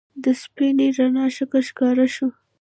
د سپینې رڼا شکل ښکاره شو.